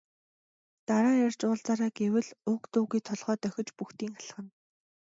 Дараа ирж уулзаарай гэвэл үг дуугүй толгой дохиж бөгтийн алхана.